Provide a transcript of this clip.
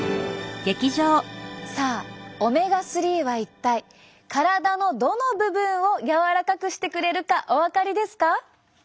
さあオメガ３は一体体のどの部分を柔らかくしてくれるかお分かりですか？